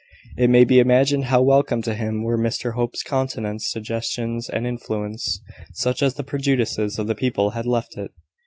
It may be imagined how welcome to him were Mr Hope's countenance, suggestions, and influence, such as the prejudices of the people had left it.